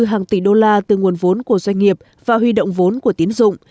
hàng tỷ đô la từ nguồn vốn của doanh nghiệp và huy động vốn của tiến dụng